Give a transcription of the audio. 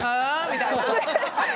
みたいな。